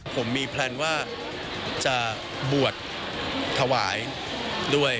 ผมมีแพลนว่าจะบวชถวายด้วย